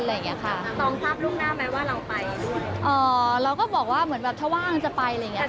อะไรอย่างเงี้ยค่ะตรงภาพลูกหน้าไหมว่าเราไปด้วยอ๋อเราก็บอกว่าเหมือนแบบชาวว่างจะไปอะไรอย่างเงี้ย